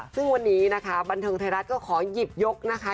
ซึ่งวันนี้นะคะบันเทิงไทยรัฐก็ขอหยิบยกนะคะ